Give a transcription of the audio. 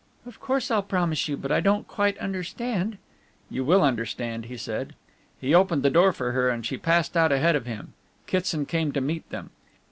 "Of course I'll promise you, but I don't quite understand." "You will understand," he said. He opened the door for her and she passed out ahead of him. Kitson came to meet them.